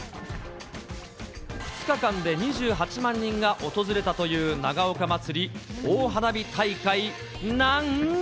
２日間で２８万人が訪れたという長岡まつり大花火大会なん。